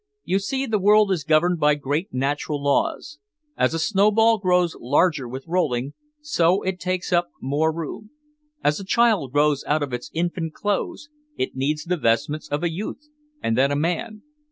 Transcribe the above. "You see, the world is governed by great natural laws. As a snowball grows larger with rolling, so it takes up more room. As a child grows out of its infant clothes, it needs the vestments of a youth and then a man.